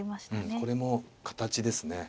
これも形ですね。